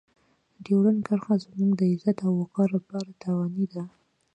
ډیورنډ کرښه زموږ د عزت او وقار لپاره تاواني ده.